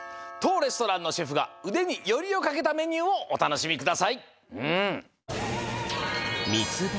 とうレストランのシェフがうでによりをかけたメニューをおたのしみください。